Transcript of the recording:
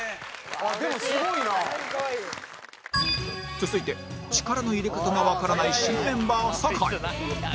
続いて力の入れ方がわからない新メンバー酒井